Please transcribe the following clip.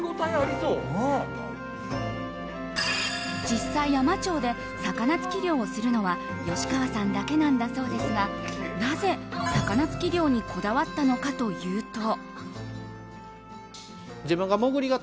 実際、海士町で魚突き漁をするのは吉川さんだけなんだそうですがなぜ魚突き漁にこだわったのかというと。